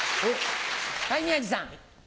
はい宮治さん。